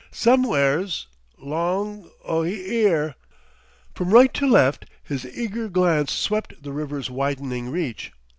"Sumwhere's ... 'long ... o' 'ere." From right to left his eager glance swept the river's widening reach.